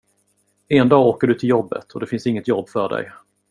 En dag åker du till jobbet och det finns inget jobb för dig.